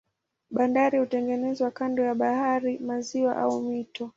Bandari hutengenezwa kando ya bahari, maziwa au mito.